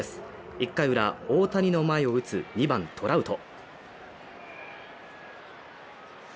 １回裏、大谷の前を打つ２番トラウト。